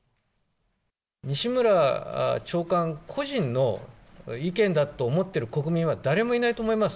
西村長官個人の意見だと思っている国民は誰もいないと思います。